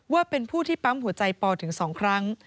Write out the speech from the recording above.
ว่าเป็นผู้ที่ปั๊มหัวใจปอถึง๒ครั้ง